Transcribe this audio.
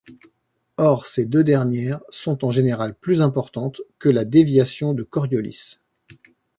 Or ces deux dernières sont en général plus importantes que la déviation de Coriolis.